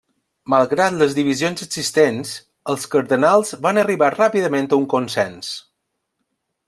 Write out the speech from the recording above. Malgrat les divisions existents, els cardenals van arribar ràpidament a un consens.